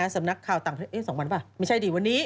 สำนักข่าวต่างประเทศ๒วันป่ะไม่ใช่ดิวันนี้